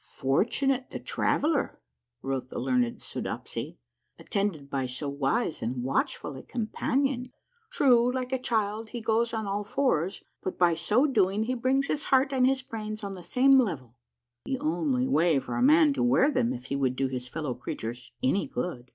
"Fortunate the traveller," wrote the learned Soodopsy, "at tended by so wise and watchful a companion ! True, like a child, he goes on all fours, but by so doing he brings his heart and his brains on the same level — the only way for a man to wear them if he would do his fellow creatures any good.